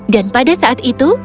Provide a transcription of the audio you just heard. dan pada saat itu